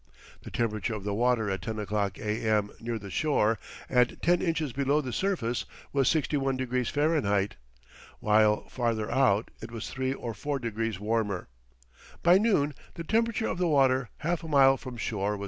The temperature of the water at 10:00 A.M. near the shore, and ten inches below the surface, was 61° F., while farther out it was three or four degrees warmer. By noon the temperature of the water half a mile from shore was 67.